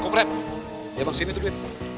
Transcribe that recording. kupret ya bang sini tuh duit